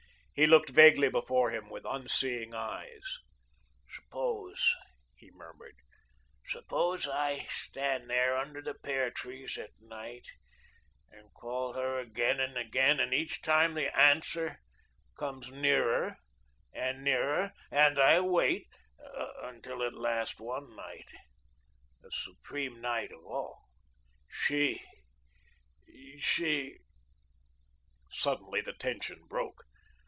He looked vaguely before him with unseeing eyes. "Suppose," he murmured, "suppose I stand there under the pear trees at night and call her again and again, and each time the Answer comes nearer and nearer and I wait until at last one night, the supreme night of all, she she " Suddenly the tension broke.